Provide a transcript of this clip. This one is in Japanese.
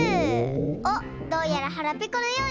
おっどうやらはらぺこのようですね。